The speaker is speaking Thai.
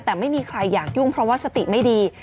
แต่ไม่มีใครอยากยุ่งเพราะว่าสติไม่ดี